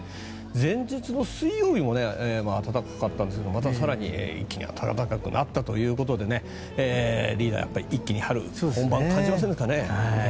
前日の水曜日も暖かかったんですがまた更に一気に暖かくなったということでリーダー、一気に春本番を感じますかね。